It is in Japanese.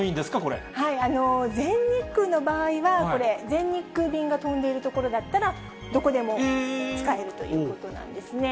全日空の場合は、これ、全日空便が飛んでいる所だったら、どこでも使えるということなんですね。